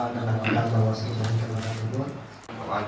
selamat datang kembali di kementerian nanti